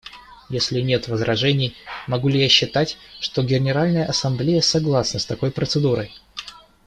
Если нет возражений, могу ли я считать, что Генеральная Ассамблея согласна с такой процедурой?